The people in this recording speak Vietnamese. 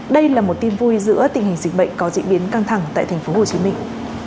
đây là một tin vui giữa tình hình dịch bệnh có diễn biến căng thẳng tại thành phố hồ chí minh